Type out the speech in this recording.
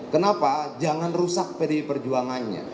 kenapa jangan rusak pdi perjuangannya